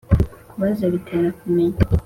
kubaza bitera kumenya